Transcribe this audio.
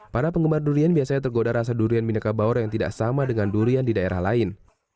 para penggemar durian biasanya tergoda rasa durian mineka bawor yang tidak sama dengan durian di daerah lain